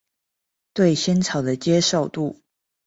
對仙草的接受度